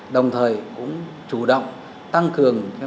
đồng thời cũng chủ động tăng cường